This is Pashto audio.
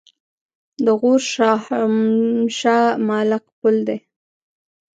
د غور شاهمشه معلق پل دی